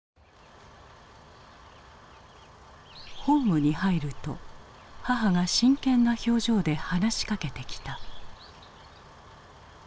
ホームに入ると母が真剣な表情で話しかけてきた。